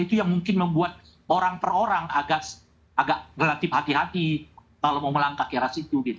itu yang mungkin membuat orang per orang agak relatif hati hati kalau mau melangkah ke arah situ gitu